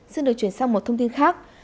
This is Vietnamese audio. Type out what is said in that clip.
xin được chuyển sang một thông tin khác